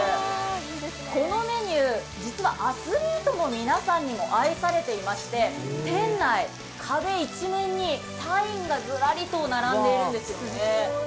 このメニュー、実はアスリートの皆さんにも愛されていまして、店内、壁一面にサインがズラリと並んでいるんですよね。